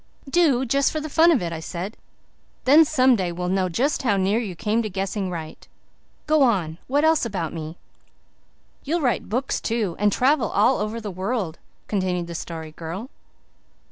"Do, just for the fun of it," I said. "Then some day we'll know just how near you came to guessing right. Go on. What else about me?" "You'll write books, too, and travel all over the world," continued the Story Girl.